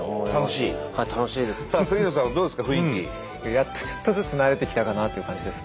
やっとちょっとずつ慣れてきたかなっていう感じです